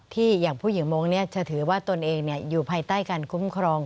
อย่างผู้หญิงมงค์จะถือว่าตนเองอยู่ภายใต้การคุ้มครอง